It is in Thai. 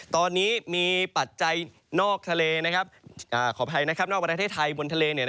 ตอนนี้มีปัจจัยนอกประเทศไทยบนทะเล